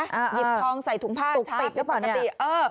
หยิบทองใส่ถุงผ้าติดแล้วปกติ